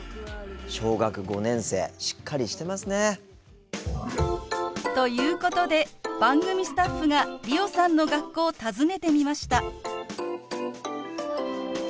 小学５年生しっかりしてますね。ということで番組スタッフが理央さんの学校を訪ねてみました。